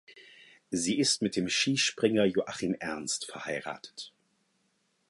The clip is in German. Sie ist mit dem Skispringer Joachim Ernst verheiratet.